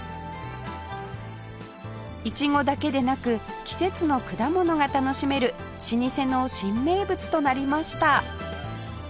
イチゴだけでなく季節の果物が楽しめる老舗の新名物となりました